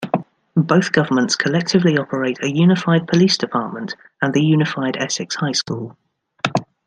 Both governments collectively operate a unified police department and the unified Essex High School.